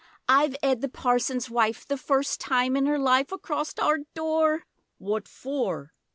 I've 'ed the Parson's wife The first time in 'er life, acrost our door! What for?